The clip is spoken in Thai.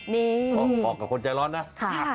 ขอกับคนใจร้อนนะ